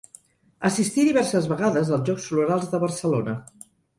Assistí diverses vegades als Jocs Florals de Barcelona.